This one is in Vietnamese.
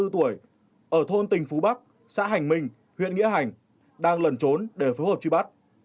ba mươi bốn tuổi ở thôn tình phú bắc xã hành minh huyện nghĩa hành đang lần trốn để phối hợp truy bắt